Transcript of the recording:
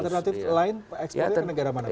alternatif lain ekspornya ke negara mana